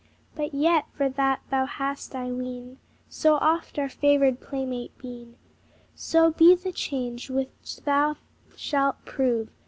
But yet, for that thou hast, I ween, So oft our favored playmate been, Soft be the change which thou shalt prove!